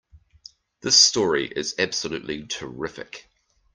This story is absolutely terrific!